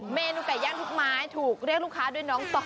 เมนูไก่ย่างทุกไม้ถูกเรียกลูกค้าด้วยน้องต่อ